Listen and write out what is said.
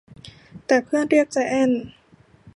แต่เพื่อนเรียกไจแอนท์